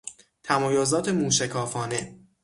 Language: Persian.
تمایزات موشکافانه